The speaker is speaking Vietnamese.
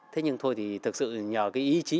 thế nhưng thôi thì thực sự nhờ cái ý chí